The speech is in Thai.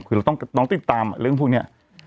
คือเราต้องติดตามเรื่องพวกนี้